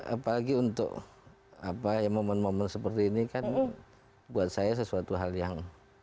apalagi untuk momen momen seperti ini kan buat saya sesuatu hal yang